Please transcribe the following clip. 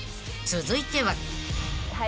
［続いては］